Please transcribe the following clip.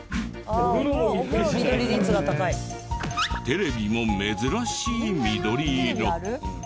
テレビも珍しい緑色。